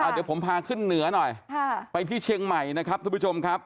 เดี๋ยวผมพาขึ้นเหนือหน่อยไปที่เชียงใหม่นะครับทุกผู้ชมครับ